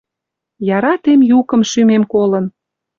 «Яратем» юкым шӱмем колын